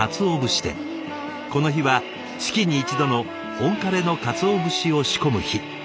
この日は月に１度の「本枯れの鰹節」を仕込む日。